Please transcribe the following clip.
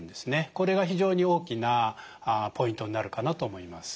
これが非常に大きなポイントになるかなと思います。